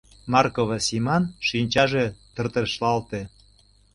— Маркова Симан шинчаже тыртешлалте.